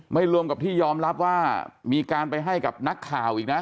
รวมกับที่ยอมรับว่ามีการไปให้กับนักข่าวอีกนะ